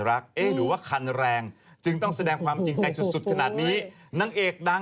โหเสร็จได้ของต้นหอบอ่ะงั้นช่วงหน้า